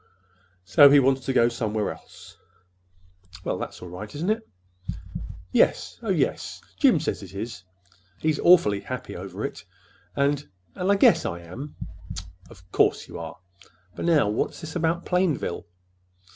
So he wants to go somewhere else." "Well, that's all right, isn't it?" "Y yes, oh, yes. Jim says it is. He's awfully happy over it, and—and I guess I am." "Of course you are! But now, what is this about Plainville?"